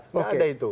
tidak ada itu